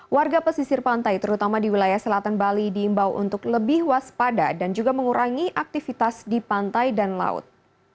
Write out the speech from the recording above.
warga pesisir pantai terutama di wilayah selatan bali diimbau untuk lebih waspada dan juga mengurangi aktivitas di pantai dan laut